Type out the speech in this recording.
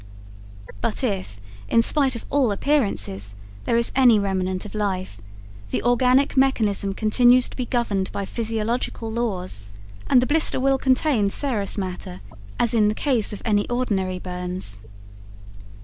But if, in spite of all appearances, there is any remnant of life, the organic mechanism continues to be governed by physiological laws, and the blister will contain serous matter, as in the case of any ordinary burns.